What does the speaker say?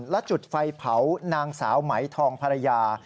และจุดไฟเผานางสาวไหมทองภรรยา